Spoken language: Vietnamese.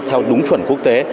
theo đúng chuẩn quốc tế